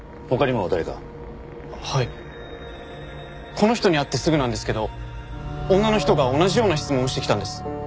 この人に会ってすぐなんですけど女の人が同じような質問をしてきたんです。